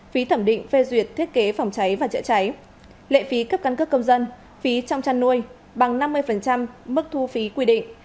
phí thẩm định phê duyệt thiết kế phòng cháy và chữa cháy lệ phí cấp căn cước công dân phí trong chăn nuôi bằng năm mươi mức thu phí quy định